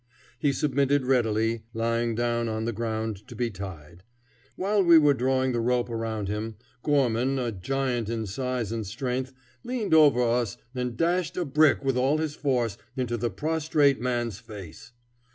He submitted readily, lying down on the ground to be tied. While we were drawing the rope around him, Gorman, a giant in size and strength, leaned over us and dashed a brick with all his force into the prostrate man's face.